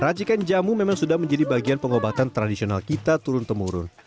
racikan jamu memang sudah menjadi bagian pengobatan tradisional kita turun temurun